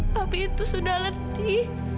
papi itu sudah letih